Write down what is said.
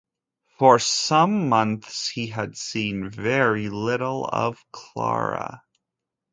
For some months he had seen very little of Clara.